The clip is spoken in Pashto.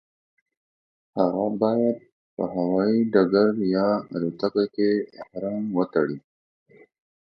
هغه باید په هوایي ډګر یا الوتکه کې احرام وتړي.